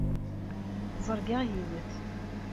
Ẓergeɣ yiwet.